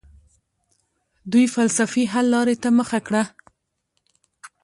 دوی فلسفي حل لارې ته مخه کړه.